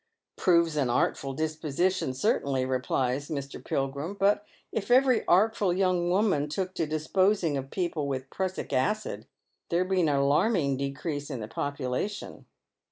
" Proves an artful disposition certainly," replies "Mr. Pilgrim, " but if every artful young woman took to disposing of people with prussic acid there'd be an alarming decrease in the population."